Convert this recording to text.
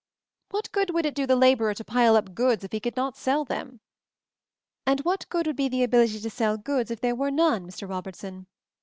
What good would it do the laborer to pile up goods if he could not sell them?" "And what good would be the ability to sell goods if there were none, Mr. Robert son.